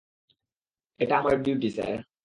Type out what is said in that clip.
এটা আমার duty, sir.